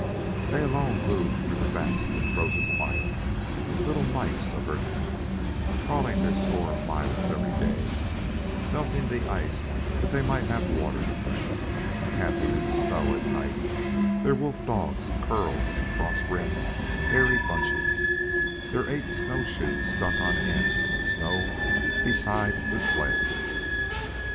They alone moved through the vast and frozen quiet, little mites of earth men, crawling their score of miles a day, melting the ice that they might have water to drink, camping in the snow at night, their wolf dogs curled in frost rimed, hairy bunches, their eight snowshoes stuck on end in the snow beside the sleds.